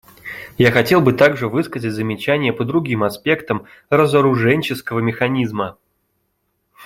Я хотел бы также высказать замечания по другим аспектам разоруженческого механизма.